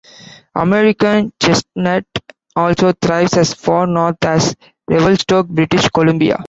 American chestnut also thrives as far north as Revelstoke, British Columbia.